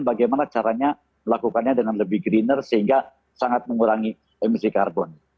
bagaimana caranya melakukannya dengan lebih greener sehingga sangat mengurangi emisi karbon